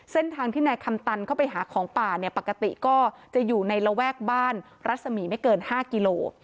เส้นทางที่นายคำตันเข้าไปหาของป่าเนี่ยปกติก็จะอยู่ในระแวกบ้านรัศมีไม่เกิน๕กิโล